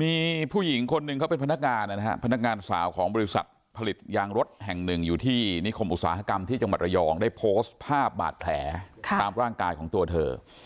มีผู้หญิงคนหนึ่งเขาเป็นพนักงานนะฮะพนักงานสาวของบริษัทผลิตยางรถแห่งหนึ่งอยู่ที่นิคมอุตสาหกรรมที่จังหวัดระยองได้โพสต์ภาพบาดแผลตามร่างกายของตัวเธอ